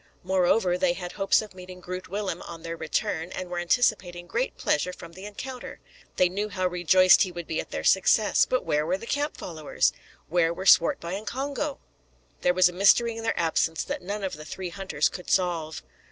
Moreover, they had hopes of meeting Groot Willem on their return, and were anticipating great pleasure from the encounter. They knew how rejoiced he would be at their success. But where were the camp followers? Where were Swartboy and Congo? There was a mystery in their absence that none of the three hunters could solve.